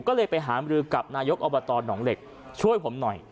ก็เลยไปหามรือกับนายกอบตหนองเหล็กช่วยผมหน่อย